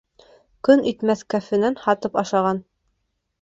Көн итмәҫ кәфенен һатып ашаған.